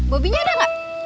bobinya ada enggak